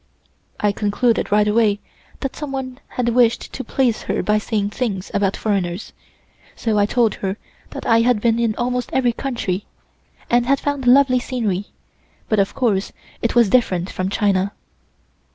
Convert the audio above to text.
I concluded right away that someone had wished to please her by saying things about foreigners, so I told her that I had been in almost every country, and had found lovely scenery, but of course it was different from China.